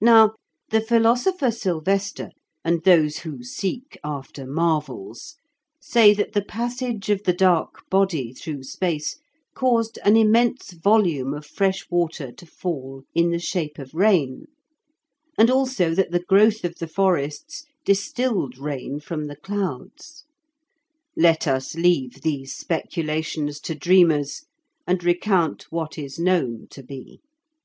Now, the philosopher Silvester, and those who seek after marvels, say that the passage of the dark body through space caused an immense volume of fresh water to fall in the shape of rain, and also that the growth of the forests distilled rain from the clouds. Let us leave these speculations to dreamers, and recount what is known to be.